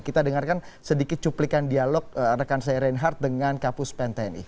kita dengarkan sedikit cuplikan dialog rekan saya reinhardt dengan kapus pen tni